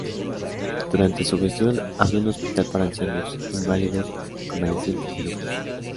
Durante su gestión abrió un hospital para ancianos, inválidos, convalecientes y locos.